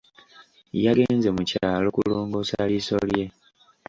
Yagenze mu kyalo kulongoosa liiso lye.